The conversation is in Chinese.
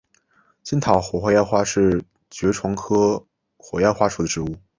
金塔火焰花是爵床科火焰花属的植物。